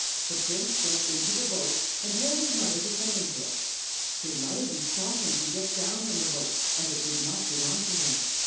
The prince went into the boat, and told his mother to come into it. His mother besought him to get down from the boat, as it did not belong to him.